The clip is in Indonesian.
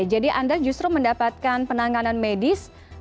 jadi anda justru mendapatkan penanganan medis